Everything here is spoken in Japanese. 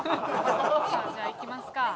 さあじゃあいきますか。